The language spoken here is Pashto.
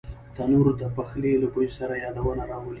تنور د پخلي له بوی سره یادونه راولي